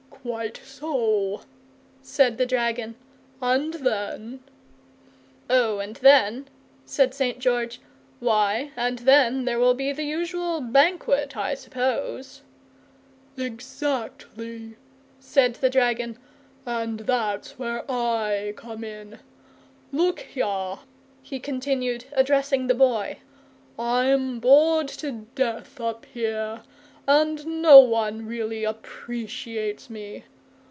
"Quite so," said the dragon. "And then ?" "Oh, and then " said St. George, "why, and then there will be the usual banquet, I suppose." "Exactly," said the dragon; "and that's where I come in. Look here," he continued, addressing the Boy, "I'm bored to death up here, and no one really appreciates me.